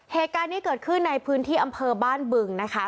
เหตุการณ์นี้เกิดขึ้นในพื้นที่อำเภอบ้านบึงนะคะ